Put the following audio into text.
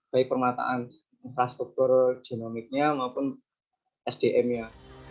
baik permataan infrastruktur genomiknya maupun sdm nya